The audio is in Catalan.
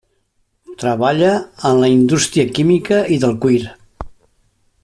Treballà en la indústria química i del cuir.